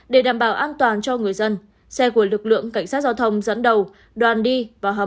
để đảm bảo an toàn cho người dân xe của lực lượng cảnh sát giao thông dẫn đầu đoàn đi và hầm